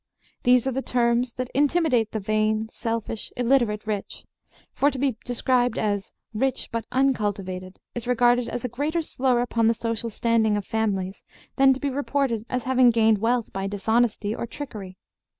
These are the terms that intimidate the vain, selfish, illiterate rich; for to be described as "rich but uncultivated" is regarded as a greater slur upon the social standing of families than to be reported as having gained wealth by dishonesty or trickery.